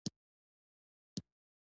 ایا زه سرطان لرم؟